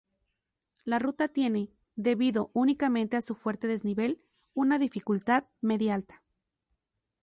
La ruta tiene, debido únicamente a su fuerte desnivel, una dificultad media-alta.